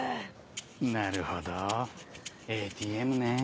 なるほどＡＴＭねぇ。